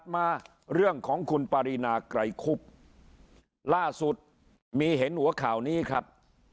มาเรื่องของคุณปารีนาไกรคุบล่าสุดมีเห็นหัวข่าวนี้ครับ